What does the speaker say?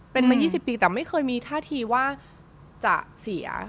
เป็นมา๒๐ปีแต่ไม่เคยมีท่าทีว่าจะเสีย